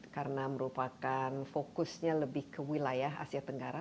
karena merupakan fokusnya lebih ke wilayah asia tenggara